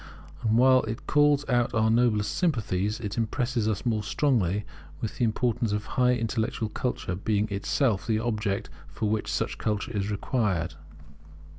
And while it calls out our noblest sympathies, it impresses us more strongly with the importance of high intellectual culture, being itself the object for which such culture is required.